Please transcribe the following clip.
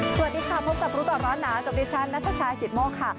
สวัสดีค่ะพบกับลูกต่อร้อนหนาสวัสดีค่ะนัทชายกิตโมค่ะ